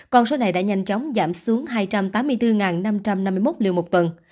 con số này đã nhanh chóng giảm xuống hai trăm tám mươi bốn năm trăm năm mươi một liều một tuần